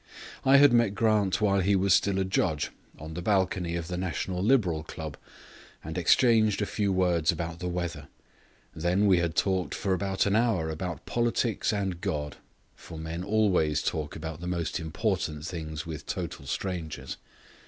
I had met Grant while he was still a judge, on the balcony of the National Liberal Club, and exchanged a few words about the weather. Then we had talked for about an hour about politics and God; for men always talk about the most important things to total strangers.